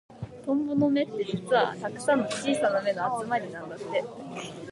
トンボの目って、実はたくさんの小さな目の集まりなんだって。